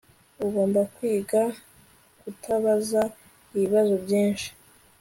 Ugomba kwiga kutabaza ibibazo byinshi